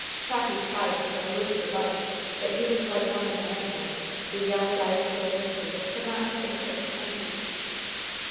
Shocky tried to halloo for Bud, but he was like one in a nightmare. The yell died into a whisper which could not have been heard ten feet.